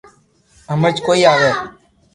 ھمج ڪوئي آوي